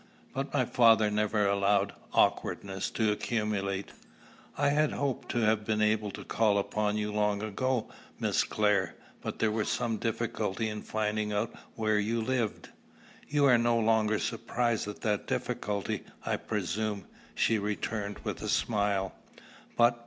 But my father never allowed awkwardness to accumulate. "I had hoped to have been able to call upon you long ago, Miss Clare, but there was some difficulty in finding out where you lived." "You are no longer surprised at that difficulty, I presume," she returned with a smile.